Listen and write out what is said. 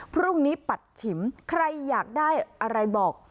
พรุ่งนี้ปัดฉิมใครอยากได้อะไรบอก